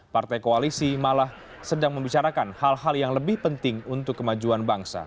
partai koalisi malah sedang membicarakan hal hal yang lebih penting untuk kemajuan bangsa